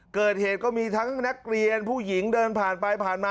เกิดเหตุก็มีทั้งนักเรียนผู้หญิงเดินผ่านไปผ่านมา